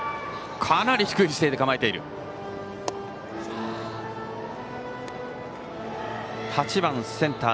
かなり低い姿勢で構えているバッター。